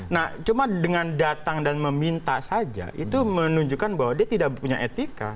nah cuma dengan datang dan meminta saja itu menunjukkan bahwa dia tidak punya etika